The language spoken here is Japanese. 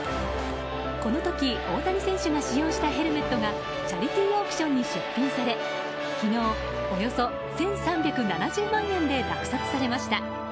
この時、大谷選手が使用したヘルメットがチャリティーオークションに出品され、昨日およそ１３７０万円で落札されました。